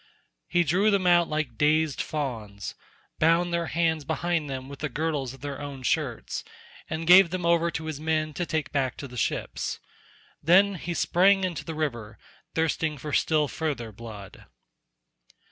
He drew them out like dazed fawns, bound their hands behind them with the girdles of their own shirts, and gave them over to his men to take back to the ships. Then he sprang into the river, thirsting for still further blood.